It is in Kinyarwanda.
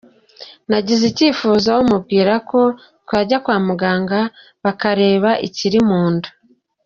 Nagize icyifuzo mubwira ko twajya kwa muganga bakareba akiri mu nda.